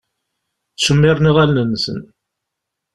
Ttcemmiṛen iɣallen-nsen.